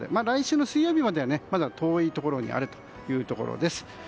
来週の水曜日までは遠いところにあるということです。